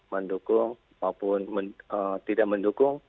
mendukung maupun tidak mendukung